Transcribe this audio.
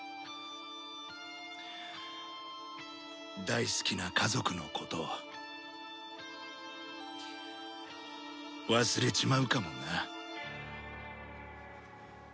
大好きな家族のこと忘れちまうかもな。